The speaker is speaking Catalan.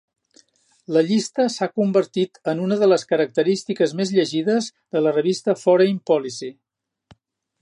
La llista s'ha convertit en una de les característiques més llegides de la revista "Foreign Policy".